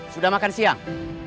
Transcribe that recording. sudah makan siang